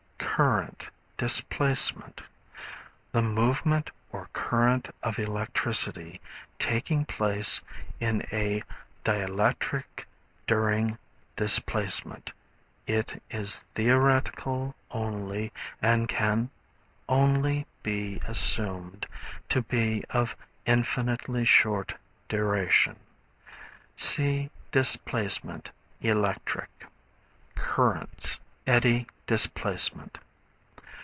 ] Current, Displacement. The movement or current of electricity taking place in a dielectric during displacement. It is theoretical only and can only be assumed to be of infinitely short duration. (See Displacement, Electric.) Currents, Eddy Displacement.